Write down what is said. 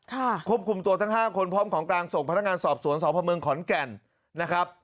ค่ะควบคุมตัวทั้ง๕คนพร้อมของการส่งพนักงานสอบสวนสพขแก่นนะครับ